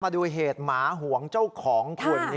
มาดูเหตุหมาหวงเจ้าของคุณ